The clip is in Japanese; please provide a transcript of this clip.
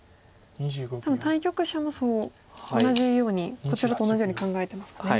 多分対局者も同じようにこちらと同じように考えてますかね。